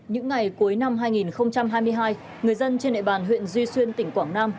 những ngày cuối năm hai nghìn hai mươi hai người dân trên địa bàn huyện duy xuyên tỉnh quảng nam